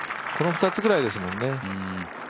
この２つぐらいですもんね。